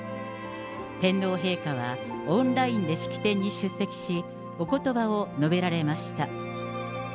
天皇陛下はオンラインで式典に出席し、おことばを述べられました。